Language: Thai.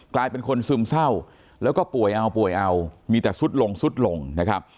กลายเป็นคนซึมเศร้าแล้วก็ป่วยเอาป่วยเอามีแต่ซุดลงซุดลงนะครับ